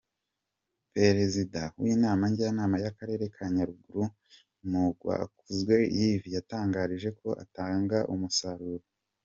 Perezida w’Inama Njyanama y’Akarere ka Nyaruguru, Mungwakuzwe Yves, yatangarije ko atatangaga umusaruro.